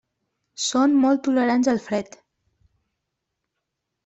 Són molt tolerants al fred.